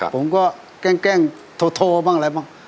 ผมก็แกล้งโทรบ้างอะไรบ้าง